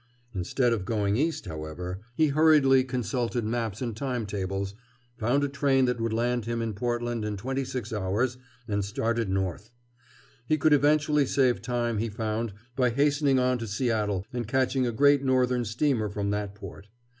Instead of going East, however, he hurriedly consulted maps and timetables, found a train that would land him in Portland in twenty six hours, and started north. He could eventually save time, he found, by hastening on to Seattle and catching a Great Northern steamer from that port.